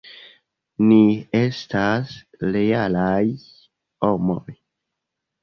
Ni estas realaj homoj.